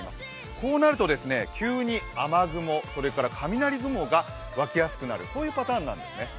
こうなると急に雨雲、それから雷雲が湧きやすくなる、こういうパターンなんですね。